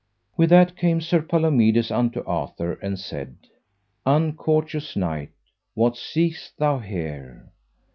With that came Sir Palomides unto Arthur, and said: Uncourteous knight, what seekest thou here?